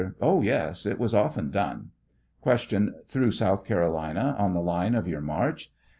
Oh, yes, it was often done. Q. Through South Carolina, on the line of your march